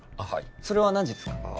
それは何時ですか？